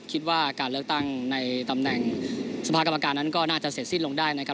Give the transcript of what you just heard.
คิดว่าการเลือกตั้งในตำแหน่งสภากรรมการนั้นก็น่าจะเสร็จสิ้นลงได้นะครับ